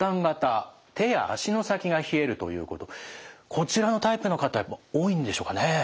こちらのタイプの方やっぱり多いんでしょうかね。